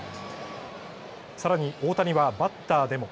さらに大谷はバッターでも。